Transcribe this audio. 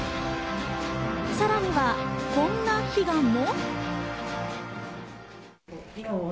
さらには、こんな悲願も？